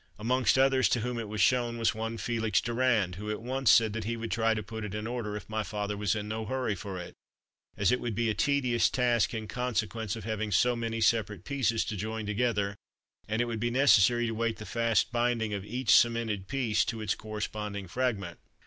Amongst others to whom it was shown was one Felix Durand, who at once said he would try to put it in order if my father was in no hurry for it, as it would be a tedious task in consequence of having so many separate pieces to join together, and it would be necessary to wait the fast binding of each cemented piece to its corresponding fragment.